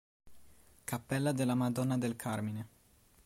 Cappella della Madonna del Carmine